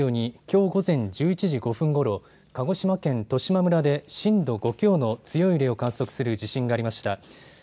お伝えしていますように、きょう午前１１時５分ごろ鹿児島県十島村で震度５強の強い揺れを観測する地震がありました。